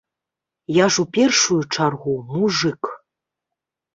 Я ж у першую чаргу мужык.